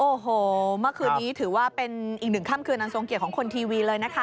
โอ้โหเมื่อคืนนี้ถือว่าเป็นอีกหนึ่งค่ำคืนอันทรงเกียจของคนทีวีเลยนะคะ